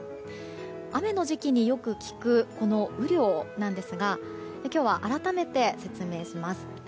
雨の時期によく聞くこの雨量なんですが今日は改めて説明します。